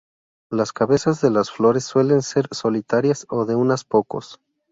Las cabezas de las flores suelen ser solitarias o de unas pocos.